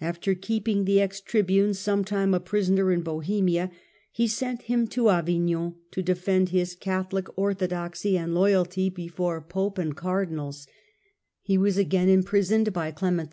After keeping the ex Tribune some time a prisoner in Bohemia, he sent him to Avignon to defend his Catholic orthodoxy and loyalty before Pope and 86 THE END OF THE MIDDLE AGE Imprisoned Cardinals. He was again imprisoned by Clement VI.